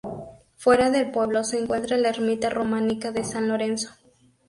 Fuera del pueblo se encuentra la ermita románica de San Lorenzo.